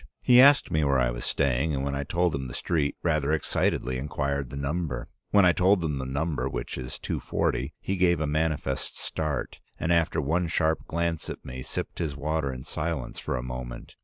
He asked me where I was staying, and when I told him the street, rather excitedly inquired the number. When I told him the number, which is 240, he gave a manifest start, and after one sharp glance at me sipped his water in silence for a moment.